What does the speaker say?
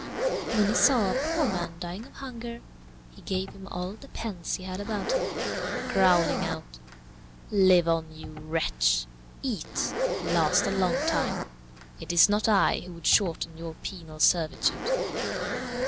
When he saw a poor man dying of hunger, he gave him all the pence he had about him, growling out, "Live on, you wretch! eat! last a long time! It is not I who would shorten your penal servitude."